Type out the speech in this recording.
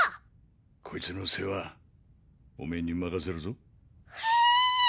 こいつの世話おめぇに任せるぞええ！